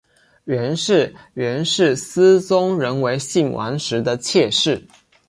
袁氏原是思宗仍为信王时的妾室。